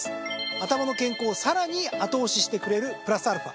頭の健康をさらに後押ししてくれるプラスアルファ。